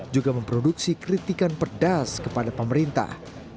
juga memproduksi kritikan pedas kepada pemerintah